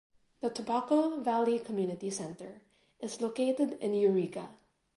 The Tobacco Valley Community Center is located in Eureka.